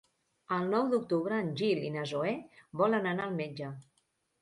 El nou d'octubre en Gil i na Zoè volen anar al metge.